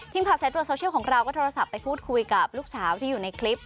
สายตรวจโซเชียลของเราก็โทรศัพท์ไปพูดคุยกับลูกสาวที่อยู่ในคลิป